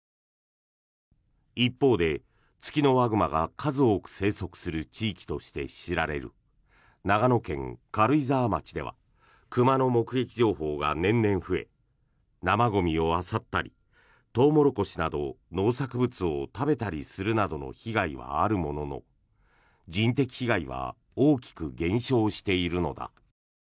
一方で、ツキノワグマが数多く生息する地域として知られる長野県軽井沢町では熊の目撃情報が年々増え生ゴミをあさったりトウモロコシなど農作物を食べたりする被害はあるものの人的被害は大きく減少しているのだ。